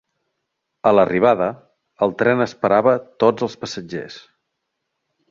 A l'arribada, el tren esperava tots els passatgers.